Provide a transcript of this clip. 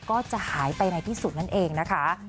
ก็จะหายไปในที่สุดนั่นเองนะคะ